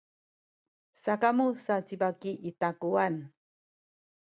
sakamu sa ci baki i takuwanan.